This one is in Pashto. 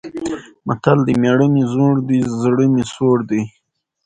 متل دی: مېړه مې زوړ دی، زړه مې سوړ دی.